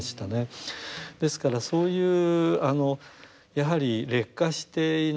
ですからそういうやはり劣化していない逆の場合には